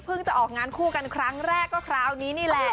จะออกงานคู่กันครั้งแรกก็คราวนี้นี่แหละ